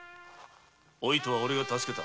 おいとはオレが助けた。